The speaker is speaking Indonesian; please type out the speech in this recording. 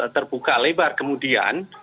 terbuka lebar kemudian